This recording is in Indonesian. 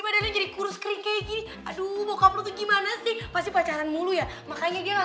badannya jadi kurus kering kayak gini aduh bokap lu gimana sih pasti pacaran mulu ya makanya dia